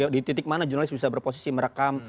di titik mana jurnalis bisa berposisi merekam